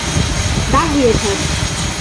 دعه يذهب!